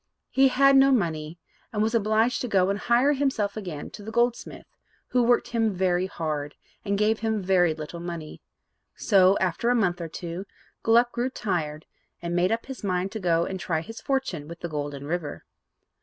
He had no money, and was obliged to go and hire himself again to the goldsmith, who worked him very hard, and gave him very little money. So, after a month or two, Gluck grew tired, and made up his mind to go and try his fortune with the Golden River.